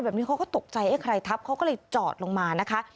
แบบนี้เขาก็ตกใจเอ๊ะใครทับเขาก็เลยจอดลงมานะคะ